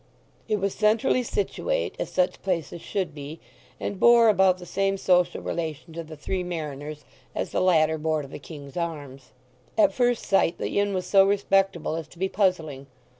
It was centrally situate, as such places should be, and bore about the same social relation to the Three Mariners as the latter bore to the King's Arms. At first sight the inn was so respectable as to be puzzling.